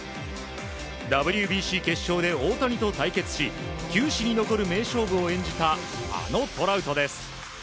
ＷＢＣ決勝で大谷と対戦し球史に残る名勝負を演じたあのトラウトです。